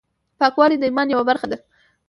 پاکوالی د ایمان یوه برخه ده.